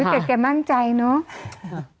อุ๊ยแต่แกมั่งใจเนอะ